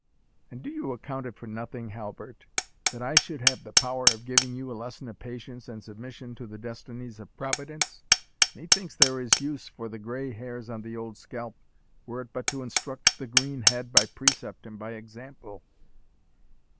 "And do you account it for nothing, Halbert, that I should have the power of giving you a lesson of patience, and submission to the destinies of Providence? Methinks there is use for the grey hairs on the old scalp, were it but to instruct the green head by precept and by example."